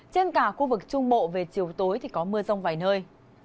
trên cả khu vực trung bộ về chiều tối thì có mưa rông vài nơi